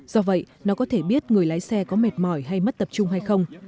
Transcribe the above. do vậy nó có thể biết người lái xe có mệt mỏi hay mất tập trung hay không